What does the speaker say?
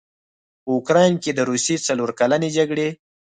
په اوکراین کې د روسیې څلورکلنې جګړې